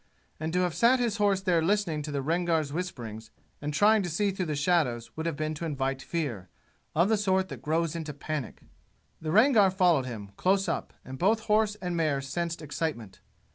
And to have sat his horse there listening to the Rangar's whisperings and trying to see through shadows would have been to invite fear, of the sort that grows into panic. The Rangar followed him, close up, and both horse and mare sensed excitement.